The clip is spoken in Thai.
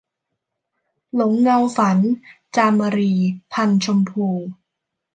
หลงเงาฝัน - จามรี พรรณชมพู